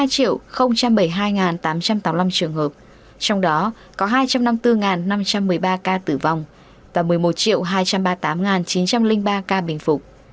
một mươi hai bảy mươi hai tám trăm tám mươi năm trường hợp trong đó có hai trăm năm mươi bốn năm trăm một mươi ba ca tử vong và một mươi một hai trăm ba mươi tám chín trăm linh ba ca bình phục